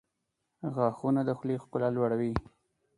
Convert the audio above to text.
• غاښونه د خولې ښکلا لوړوي.